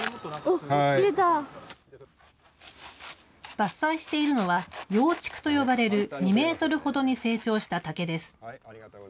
伐採しているのは、幼竹と呼ばれる２メートルほどに成長した竹です。